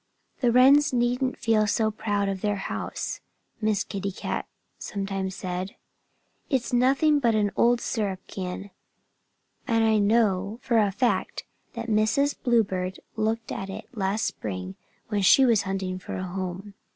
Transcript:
"The Wrens needn't feel so proud of their house," Miss Kitty Cat sometimes said. "It's nothing but an old syrup can. And I know for a fact that Mrs. Bluebird looked at it last spring when she was hunting for a home.